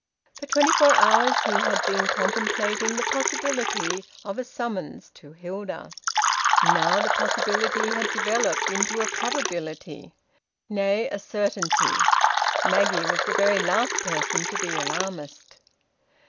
For twenty four hours he had been contemplating the possibility of a summons to Hilda. Now the possibility had developed into a probability. Nay, a certainty! Maggie was the very last person to be alarmist.